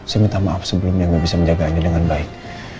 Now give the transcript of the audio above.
saya minta maaf sebelumnya gak bisa menjaga andin dengan baik